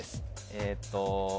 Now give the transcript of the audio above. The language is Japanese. えっと